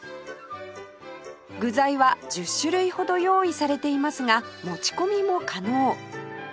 具材は１０種類ほど用意されていますが持ち込みも可能